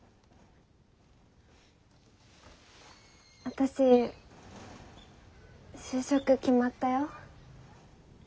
私就職決まったよ。